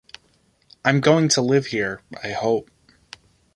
I'm going to live here, I hope.